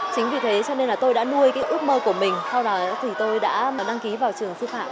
chính vì thế tôi đã nuôi ước mơ của mình sau đó tôi đã đăng ký vào trường sư phạm